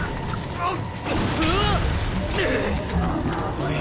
あっ！